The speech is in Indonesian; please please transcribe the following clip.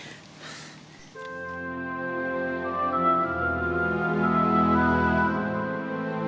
aku mau pergi